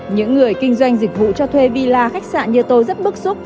những người kinh doanh dịch vụ cho thuê villa khách sạn như tôi rất bức xúc